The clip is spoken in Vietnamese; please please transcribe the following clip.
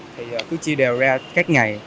thì cứ chia đều ra các ngày